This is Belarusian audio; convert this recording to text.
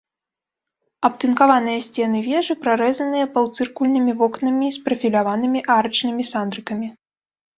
Абтынкаваныя сцены вежы прарэзаныя паўцыркульнымі вокнамі з прафіляванымі арачнымі сандрыкамі.